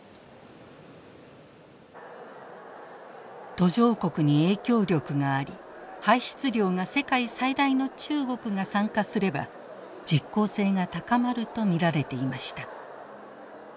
途上国に影響力があり排出量が世界最大の中国が参加すれば実効性が高まると見られていました。